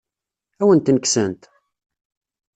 Ad awen-ten-kksent?